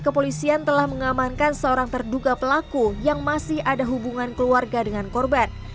kepolisian telah mengamankan seorang terduga pelaku yang masih ada hubungan keluarga dengan korban